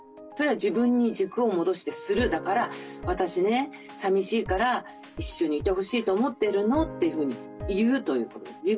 それは自分に軸を戻して「する」だから「私ね寂しいから一緒にいてほしいと思ってるの」というふうに言うということです。